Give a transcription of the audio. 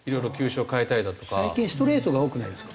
最近ストレートが多くないですか？